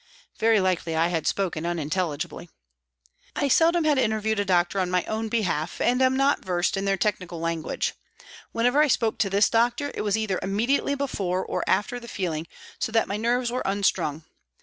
Very likely I had spoken unintelligibly. I seldom had interviewed a doctor on my own behalf, and am not versed in their technical language. Whenever I spoke to this doctor it was either immediately before or after the feeding, so that my nerves were unstrung.